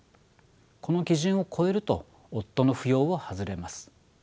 この基準を超えると夫の扶養を外れます。